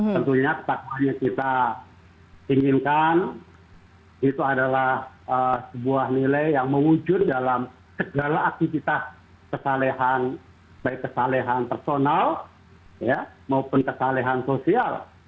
tentunya ketakwaan yang kita inginkan itu adalah sebuah nilai yang mewujud dalam segala aktivitas baik kesalahan personal maupun kesalahan sosial